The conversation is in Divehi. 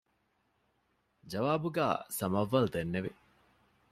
ޖަވާބުގައި ސަމަވްއަލް ދެންނެވި